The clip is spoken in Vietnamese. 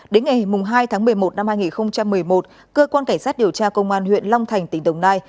đến ngày hai tháng một mươi một năm hai nghìn một mươi một cơ quan cảnh sát điều tra công an huyện long thành tỉnh đồng nai